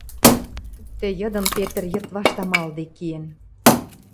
Тӹ йыдым Петр йыдвашт амалыде киэн.